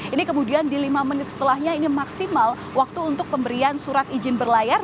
ini kemudian di lima menit setelahnya ini maksimal waktu untuk pemberian surat izin berlayar